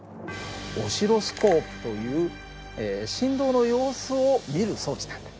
オシロスコープという振動の様子を見る装置なんだ。